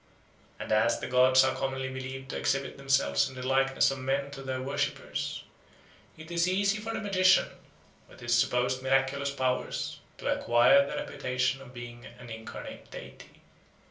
And as the gods are commonly believed to exhibit themselves in the likeness of men to their worshippers, it is easy for the magician, with his supposed miraculous powers, to acquire the reputation of being an incarnate deity.